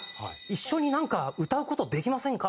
「一緒になんか歌う事できませんか？」